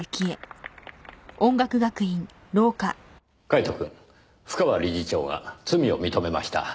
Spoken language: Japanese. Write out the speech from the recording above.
カイトくん布川理事長が罪を認めました。